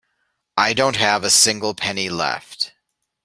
I don't have a single penny left.